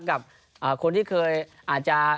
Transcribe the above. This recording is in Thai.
กับคนที่เคยอาจจะ